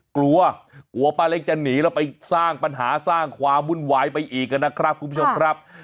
กลัวกลัวป้าเล็กจะหนีแล้วไปสร้างปัญหาสร้างความวุ่นวายไปอีกนะครับคุณผู้ชมครับ